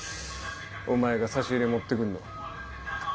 お前が差し入れ持ってくんの。